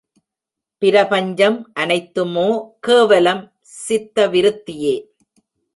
பிரபஞ்சம் அனைத்துமோ கேவலம் சித்த விருத்தியே.